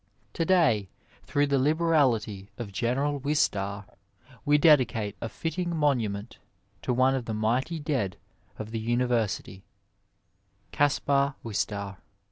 To day, through the liberality of General Wistar, we dedicate a fitting monument to one of the mighty dead of the University — Caspar Wistar.